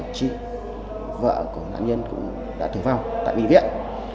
chị vợ của nạn nhân cũng đã tử vong tại bệnh viện